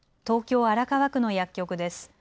東京荒川区の薬局です。